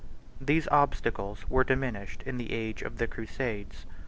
105 These obstacles were diminished in the age of the crusades.